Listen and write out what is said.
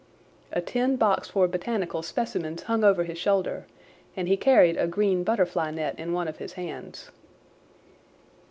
A tin box for botanical specimens hung over his shoulder and he carried a green butterfly net in one of his hands.